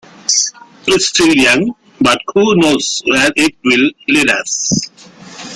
It's still young, but who knows where it will lead us.